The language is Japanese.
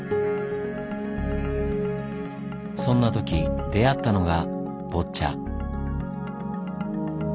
そんな時出会ったのがボッチャ。